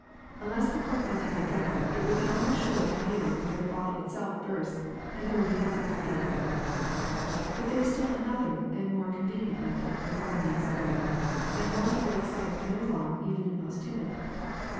Unless the cork be tied down it will be almost sure to yield before the bottle itself bursts, and there will be nothing to fear. ^*But there is still another and more convenient method of performing the experiment, and one that will excite no alarm even in the most timid.